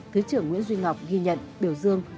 thứ trưởng nguyễn duy ngọc ghi nhận biểu dương